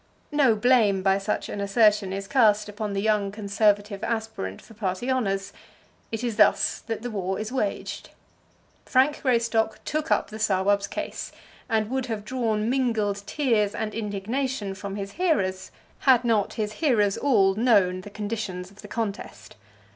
No blame by such an assertion is cast upon the young Conservative aspirant for party honours. It is thus the war is waged. Frank Greystock took up the Sawab's case, and would have drawn mingled tears and indignation from his hearers, had not his hearers all known the conditions of the contest.